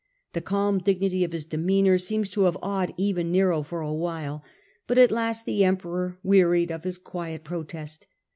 The calm dignity of his demeanour seems to have awed even Nero for a while, but at last the Emperor wearied of his quiet protest.